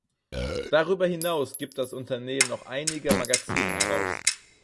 Darüber hinaus gibt das Unternehmen noch einige Magazine heraus.